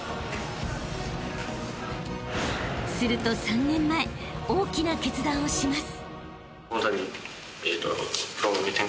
［すると３年前大きな決断をします］